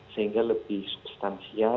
sehingga lebih substansial